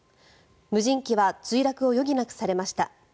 無人機は墜落を余儀なくされました。